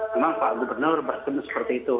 memang pak gubernur bertemu seperti itu